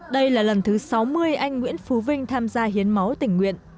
đây là lần thứ sáu mươi anh nguyễn phú vinh tham gia hiến máu tình nguyện